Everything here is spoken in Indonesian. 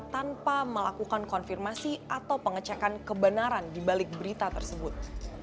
tanpa melakukan konfirmasi atau pengecekan kebenaran di balik berita tersebut